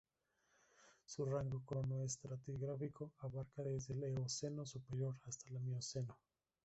Su rango cronoestratigráfico abarca desde el Eoceno superior hasta la Mioceno.